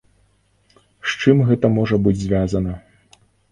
З чым гэта можа быць звязана.